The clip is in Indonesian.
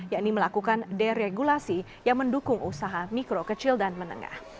yakni melakukan deregulasi yang mendukung usaha mikro kecil dan menengah